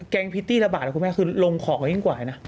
แกงพิตตี้ละบาทนะคุณแม่คือลงของกันยิ่งกว่าน่ะ